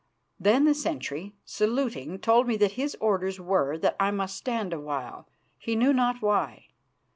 Then the sentry, saluting, told me that his orders were that I must stand awhile, he knew not why.